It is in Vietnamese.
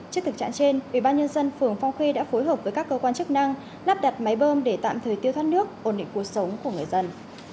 trước thực trạng trên ủy ban nhân dân phường phong khê đã phối hợp với các cơ quan chức năng lắp đặt máy bơm để tạm thời tiêu thoát nước ổn định cuộc sống của người dân